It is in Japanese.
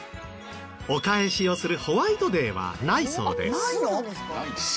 お返しをするホワイトデーはないそうです。